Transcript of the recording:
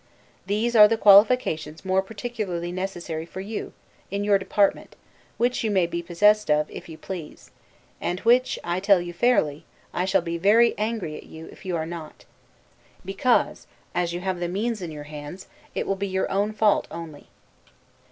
These are the qualifications more particularly necessary for you, in your department, which you may be possessed of, if you please; and which, I tell you fairly, I shall be very angry at you, if you are not; because, as you have the means in your hands, it will be your own fault only.